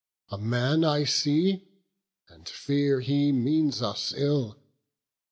A man I see, and fear he means us ill.